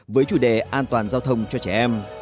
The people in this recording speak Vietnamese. với chủ đề an toàn giao thông cho trẻ em